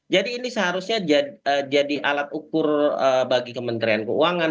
jadi ini seharusnya jadi alat ukur bagi kementerian keuangan